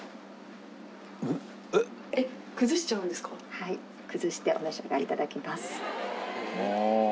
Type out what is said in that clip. はい崩してお召し上がり頂きます。